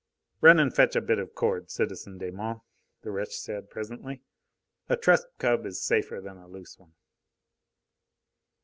"Run and fetch a bit of cord, citizen Desmonts," the wretch said presently. "A trussed cub is safer than a loose one."